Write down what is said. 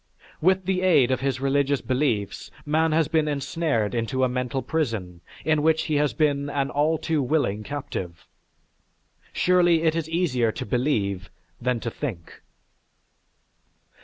With the aid of his religious beliefs man has been ensnared into a mental prison in which he has been an all too willing captive. Surely it is easier to believe than to think.